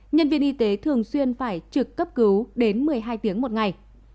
nhân viên y tế thường xuyên phải trực cấp cứu đến một mươi hai tiếng một ngày